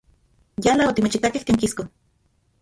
Yala otimechitakej tiankisko.